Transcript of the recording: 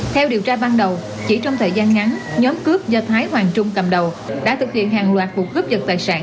theo điều tra ban đầu chỉ trong thời gian ngắn nhóm cướp do thái hoàng trung cầm đầu đã thực hiện hàng loạt vụ cướp dật tài sản